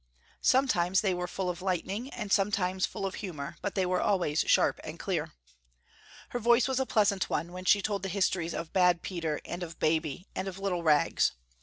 Sometimes they were full of lightning and sometimes full of humor, but they were always sharp and clear. Her voice was a pleasant one, when she told the histories of bad Peter and of Baby and of little Rags.